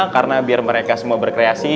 karena biar mereka semua berkreasi